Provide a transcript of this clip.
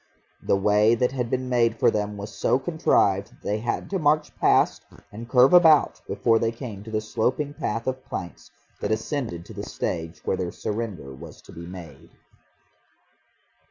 The way that had been made for them was so contrived that they had to march past and curve about before they came to the sloping path of planks that ascended to the stage where their surrender was to be made.